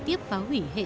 dầu bắt đầu tràn ra biển